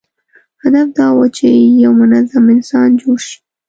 هدف دا و چې یو منظم انسان جوړ شي.